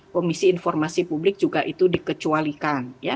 komisi informasi publik juga itu dikecualikan